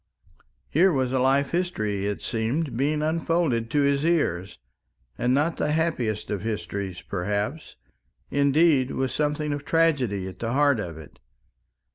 Here was a life history, it seemed, being unfolded to his ears, and not the happiest of histories, perhaps, indeed, with something of tragedy at the heart of it.